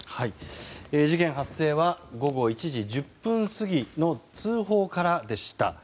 事件発生は午後１時１０分過ぎの通報からでした。